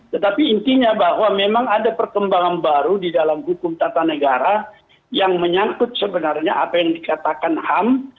tetapi intinya bahwa memang ada perkembangan baru di dalam hukum tata negara yang menyangkut sebenarnya apa yang dikatakan ham